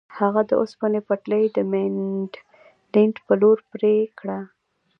هغه د اوسپنې پټلۍ د مینډلینډ په لور پرې کړه.